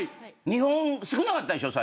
２本少なかったでしょ